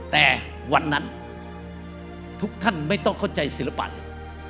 แต่วันนั้นทุกท่านไม่ต้องเข้าใจศิลปะเลย